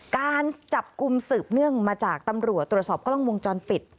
การจับกลุ่มสืบเนื่องมาจากตำรวจตรวจสอบกล้องวงจรปิด